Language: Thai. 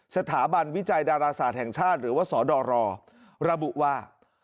สถาบันวิจัยดาราศาสตร์แห่งชาติหรือว่าสดรระบุว่า